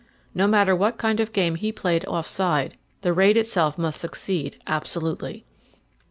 No matter what kind of game he played offside, the raid itself must succeed absolutely.